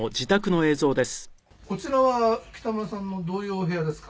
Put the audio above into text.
「こちらは北村さんのどういうお部屋ですか？」